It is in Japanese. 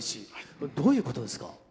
これどういうことですか？